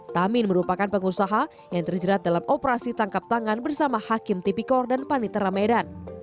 tamin merupakan pengusaha yang terjerat dalam operasi tangkap tangan bersama hakim tipikor dan panitera medan